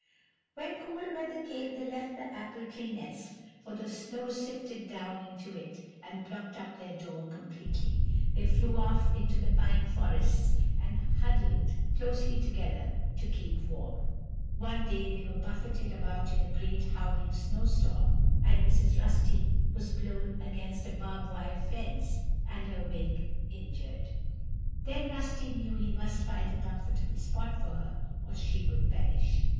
When cold weather came they left the apple tree nest, for the snow sifted down into it and blocked up their door completely. They flew off into the pine forests, and huddled closely together to keep warm. One day they were buffeted about in a great howling snow storm, and Mrs. Rusty was blown against a barb wire fence and her wing injured. Then Rusty knew he must find a comfortable spot for her or she would perish.